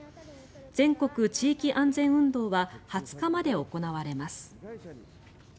全国地域安全運動は２０日まで行われます。